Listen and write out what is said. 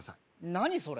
何それ？